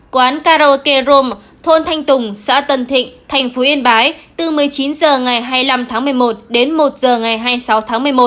quán karaoke rome thôn thanh tùng xã tân thịnh thành phố yên bái từ một mươi chín h ngày hai mươi năm tháng một mươi một đến một h ngày hai mươi sáu tháng một mươi một